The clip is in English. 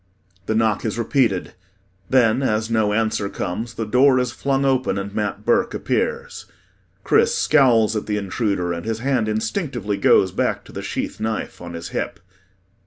The knock is repeated then as no answer comes, the door is flung open and MAT BURKE appears. CHRIS scowls at the intruder and his hand instinctively goes back to the sheath knife on his hip.